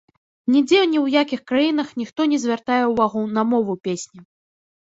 Нідзе ні ў якіх краінах ніхто не звяртае ўвагу на мову песні.